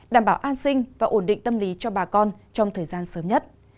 đảm bảo an sinh và ổn định tâm lý cho bà con trong thời gian sớm nhất